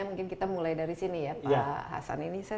mungkin kita mulai dari sini ya pak hasan ini